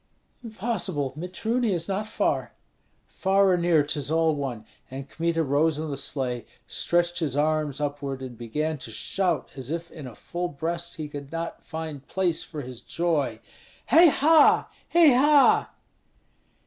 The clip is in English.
"Impossible! Mitruny is not far." "Far or near, 'tis all one!" And Kmita rose in the sleigh, stretched his arms upward, and began to shout as if in a full breast he could not find place for his joy: "Hei ha! hei ha!"